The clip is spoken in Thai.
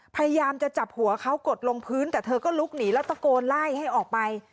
พยายามจะจับหัวเขากดลงพื้นแต่เธอก็ลุกหนีแล้วตะโกนไล่ให้ออกไป